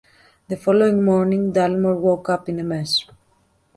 The following morning Dalmor woke up in a mess.